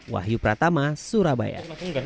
wahyu pratama surabaya